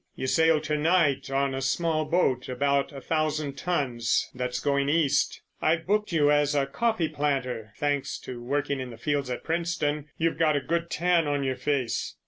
You sail to night on a small boat, about a thousand tons, that's going East. I've booked you as a coffee planter—thanks to working in the fields at Princetown you've got a good tan on your face.